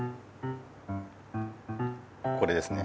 これですね。